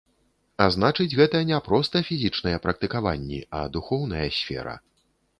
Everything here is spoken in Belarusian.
А значыць, гэта не проста фізічныя практыкаванні, а духоўная сфера.